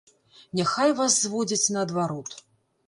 Няхай вас зводзяць наадварот.